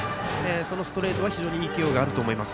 そのストレートが非常に勢いがあると思います。